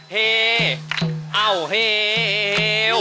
เฮ้เอ้าเฮ้เห้ว